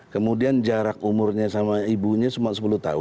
kemudian jarak umurnya sama ibunya cuma sepuluh tahun